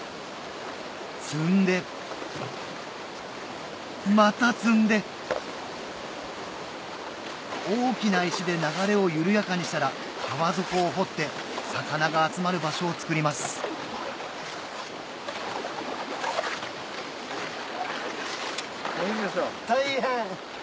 積んでまた積んで大きな石で流れを緩やかにしたら川底を掘って魚が集まる場所を作ります大変。